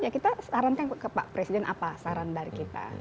ya kita sarankan ke pak presiden apa saran dari kita